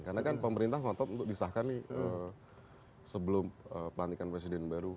karena kan pemerintah ngotot untuk disahkan nih sebelum pelantikan presiden baru